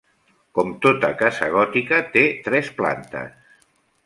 Com tota casa gòtica, té tres plantes.